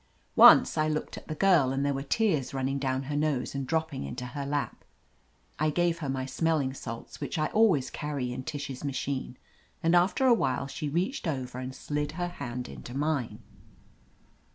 Once I looked at the girl, and there were tears running down her nose and dropping into her lap. I gave her my smelling salts, which I always carry in Tish's machine, and after a while she reached over and slid her hand into mine.